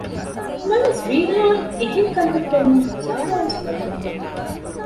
ނަމަވެސް ރީހާން އެހެންކަންތައް ކުރުމުން ޒާރާވެސް ލަދުަގަތީ